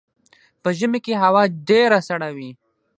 په ژمي کې هوا ډیره سړه وي